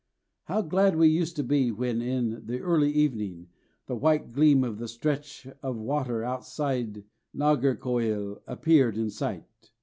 How glad we used to be when, in the early evening, the white gleam of the stretch of water outside Nagercoil appeared in sight!